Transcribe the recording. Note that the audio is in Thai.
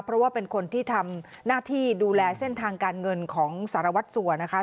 เพราะว่าเป็นคนที่ทำหน้าที่ดูแลเส้นทางการเงินของสารวัตรสัวนะคะ